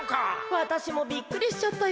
わたしもびっくりしちゃったよ。